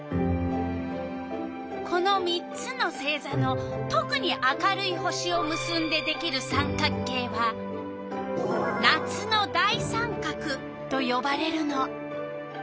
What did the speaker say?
この３つの星座のとくに明るい星をむすんでできる三角形は「夏の大三角」とよばれるの。